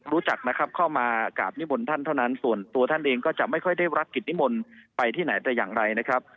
รู้จักนะครับเข้ามากราบนิมนต์ท่านเท่านั้นส่วนตัวท่านเองก็จะไม่ค่อยได้รับกิจนิมนต์ไปที่ไหนแต่อย่างไรนะครับ